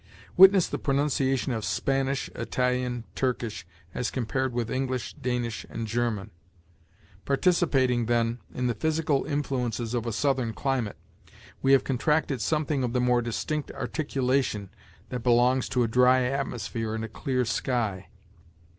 Witness the pronunciation of Spanish, Italian, Turkish, as compared with English, Danish, and German. Participating, then, in the physical influences of a southern climate, we have contracted something of the more distinct articulation that belongs to a dry atmosphere and a clear sky.